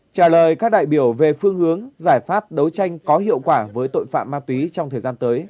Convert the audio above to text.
trả lời các đại biểu về phương hướng giải pháp đấu tranh có hiệu quả với tội phạm ma túy trong thời gian tới